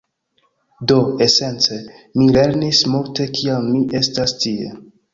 Do, esence, mi lernis multe kiam mi estas tie